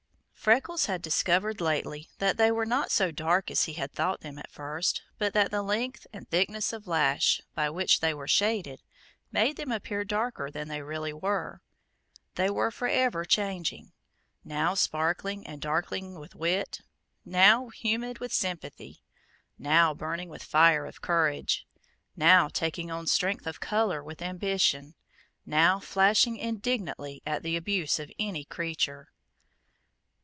Freckles had discovered lately that they were not so dark as he had thought them at first, but that the length and thickness of lash, by which they were shaded, made them appear darker than they really were. They were forever changing. Now sparkling and darkling with wit, now humid with sympathy, now burning with the fire of courage, now taking on strength of color with ambition, now flashing indignantly at the abuse of any creature.